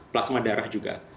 plasma darah juga